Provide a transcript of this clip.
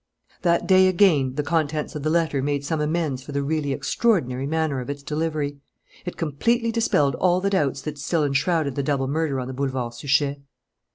That day again, the contents of the letter made some amends for the really extraordinary manner of its delivery. It completely dispelled all the doubts that still enshrouded the double murder on the Boulevard Suchet.